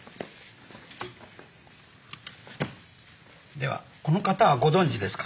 ではこの方はご存じですか？